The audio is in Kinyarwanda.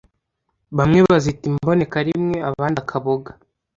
Bamwe bazita imboneka rimwe abandi akaboga